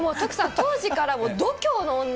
当時から。